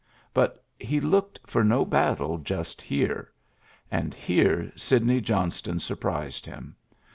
But he looked for no battle just here. And here Sidney Johnston surprised him.